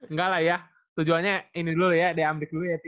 nggak lah ya tujuannya ini dulu ya diambil dulu ya ti ya